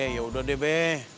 ya udah be